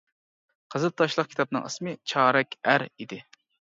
قىزىل تاشلىق كىتابنىڭ ئىسمى «چارەك ئەر» ئىدى.